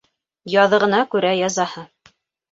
Яҙығына күрә язаһы.